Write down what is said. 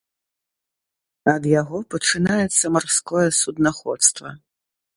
Ад яго пачынаецца марское суднаходства.